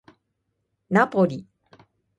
ナポリ